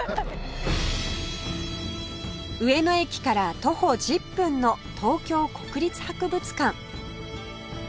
上野駅から徒歩１０分の東京国立博物館